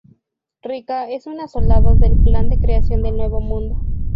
Rika es una soldado del Plan de Creación del Nuevo Mundo.